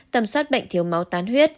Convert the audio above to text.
tầm soát bệnh thiếu máu tán huyết